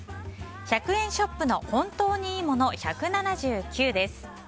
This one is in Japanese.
１００円ショップの本当にいいもの１７９です。